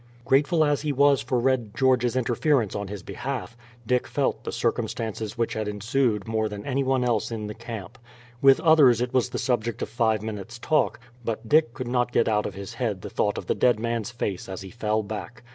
Grateful as he was for Red George's interference on his behalf, Dick felt the circumstance which had ensued more than anyone else in the camp. With others it was the subject of five minutes' talk, but Dick could not get out of his head the thought of the dead man's face as he fell back.